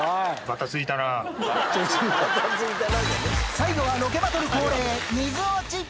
最後はロケバトル恒例！